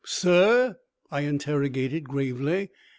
"Sir?" I interrogated, gravely.